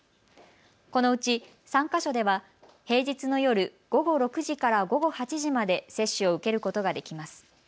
このうち３か所では平日の夜、午後６時から午後８時まで接種を受けることができます。